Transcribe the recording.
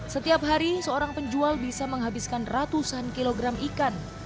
setiap hari seorang penjual bisa menghabiskan ratusan kilogram ikan